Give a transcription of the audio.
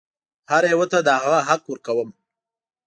هر یوه ته د هغه حق ورکوم.